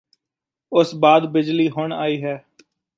ਉਸ ਬਾਦ ਬਿਜਲੀ ਹੁਣ ਆਈ ਹੈ